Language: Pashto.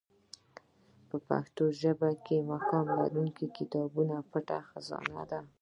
په پښتو ادب کښي مقام لرونکى کتاب پټه خزانه دئ.